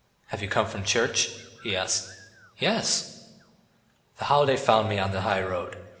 "Have you come from church?" he asked. "Yes." "The holiday found me on the high road.